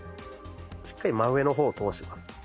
しっかり真上の方を通します。